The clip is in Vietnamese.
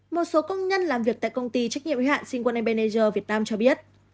một số công nhân làm việc tại công ty trách nhiệm hệ hạn sinh quân manager việt nam cho biết